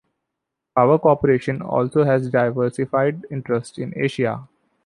Power Corporation also has diversified interests in Asia.